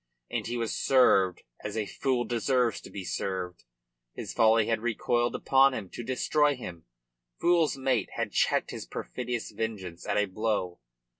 And he was served as a fool deserves to be served. His folly had recoiled upon him to destroy him. Fool's mate had checked his perfidious vengeance at a blow.